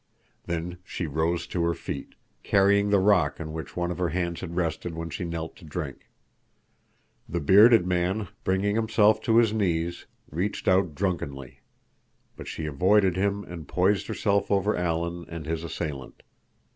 Then she rose to her feet, carrying the rock on which one of her hands had rested when she knelt to drink. The bearded man, bringing himself to his knees, reached out drunkenly, but she avoided him and poised herself over Alan and his assailant.